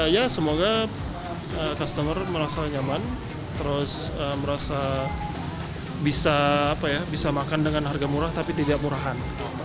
ya semoga customer merasa nyaman terus merasa bisa makan dengan harga murah tapi tidak murahan